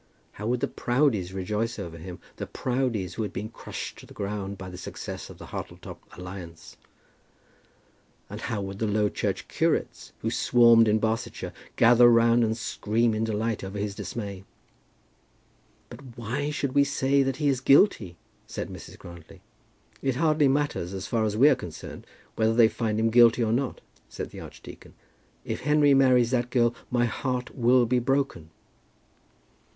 How would the Proudies rejoice over him, the Proudies who had been crushed to the ground by the success of the Hartletop alliance; and how would the low church curates who swarmed in Barsetshire, gather together and scream in delight over his dismay! "But why should we say that he is guilty?" said Mrs. Grantly. "It hardly matters as far as we are concerned, whether they find him guilty or not," said the archdeacon; "if Henry marries that girl my heart will be broken."